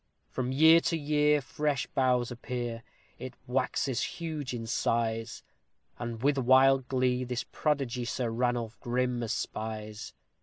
From year to year fresh boughs appear it waxes huge in size; And, with wild glee, this prodigy Sir Ranulph grim espies.